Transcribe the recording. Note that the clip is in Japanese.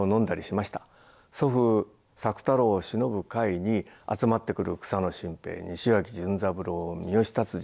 祖父朔太郎をしのぶ会に集まってくる草野心平西脇順三郎三好達治